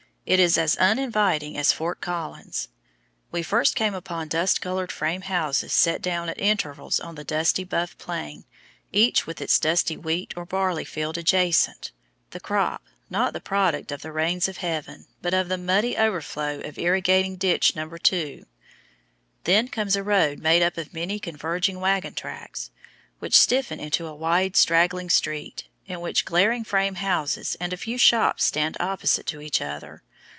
It is as uninviting as Fort Collins. We first came upon dust colored frame houses set down at intervals on the dusty buff plain, each with its dusty wheat or barley field adjacent, the crop, not the product of the rains of heaven, but of the muddy overflow of "Irrigating Ditch No.2." Then comes a road made up of many converging wagon tracks, which stiffen into a wide straggling street, in which glaring frame houses and a few shops stand opposite to each other.